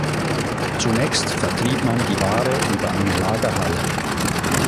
Zunächst vertrieb man die Ware über eine Lagerhalle.